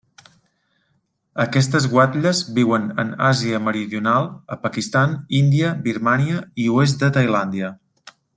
Aquestes guatlles viuen en Àsia meridional, a Pakistan, Índia, Birmània i oest de Tailàndia.